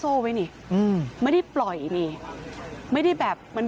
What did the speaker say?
ตอนนี้ขอเอาผิดถึงที่สุดยืนยันแบบนี้